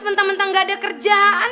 mentang mentang gak ada kerjaan